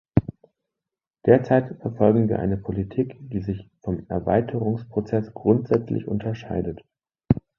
Derzeit verfolgen wir eine Politik, die sich vom Erweiterungsprozess grundsätzlich unterscheidet.